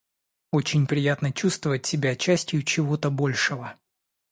Очень приятно чувствовать себя частью чего-то большого